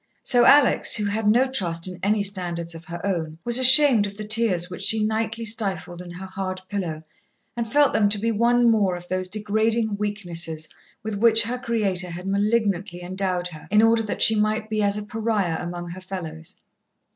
So Alex, who had no trust in any standards of her own, was ashamed of the tears which she nightly stifled in her hard pillow, and felt them to be one more of those degrading weaknesses with which her Creator had malignantly endowed her in order that she might be as a pariah among her fellows.